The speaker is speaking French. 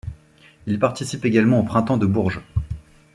Il participe également au Printemps de Bourges.